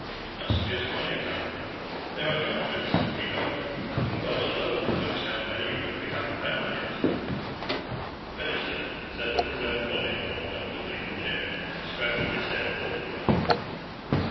"That's just one example. There are hundreds that we know of and God alone knows how many that we haven't found yet." Fennister settled his own body more comfortably in the chair and scratched his head thoughtfully.